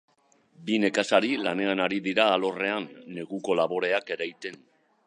Bi nekazari lanean ari dira alorrean, neguko laboreak ereiten.